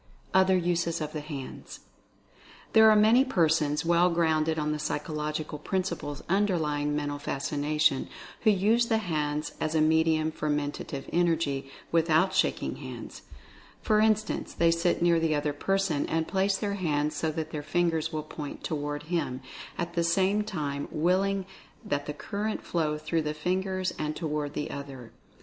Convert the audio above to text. OTHER USES OF THE HANDS. There are many persons, well grounded on the psychological principles underlying Mental Fascina tion, who use the hands as a medium for Mentative Energy, without shaking hands. For instance, they sit near the other person and place their hands so that their fingers will point toward him, at the same time willing that the current flow through the fingers and toward the other.